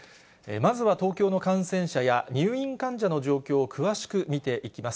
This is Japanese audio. まずは東京の感染者や入院患者の状況を詳しく見ていきます。